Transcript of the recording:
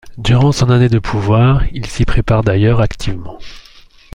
Durant son année de pouvoir, il s'y prépare d'ailleurs activement.